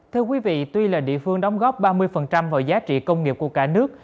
thưa quý vị tuy là địa phương đóng góp ba mươi vào giá trị công nghiệp của cả nước